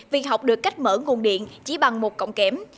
vì học được cách mở nguồn điện chỉ bằng một cọng kém